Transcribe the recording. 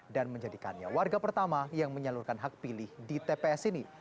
dan menjadikannya warga pertama yang menyalurkan hak pilih di tps ini